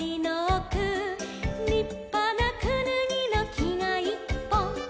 「りっぱなくぬぎのきがいっぽん」